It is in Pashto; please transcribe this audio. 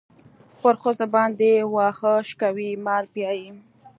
پر ښځو باندې واښه شکوي مال پيايي.